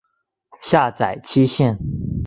下载期限